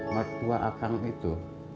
mertua akhang itu